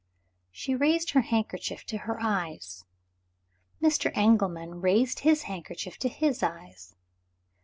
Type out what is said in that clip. She raised her handkerchief to her eyes. Mr. Engelman raised his handkerchief to his eyes.